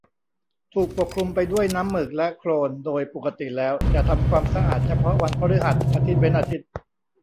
ถูกปกคลุมไปด้วยน้ำหมึกและโคลนโดยปกติแล้ว จะทำความสะอาดเฉพาะวันพฤหัส อาทิตย์เว้นอาทิตย์